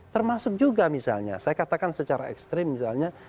termasuk juga misalnya saya katakan secara ekstrim misalnya